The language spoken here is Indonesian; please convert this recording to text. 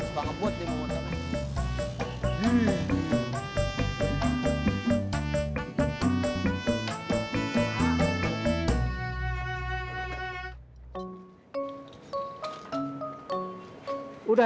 supah ngebut nih pengguna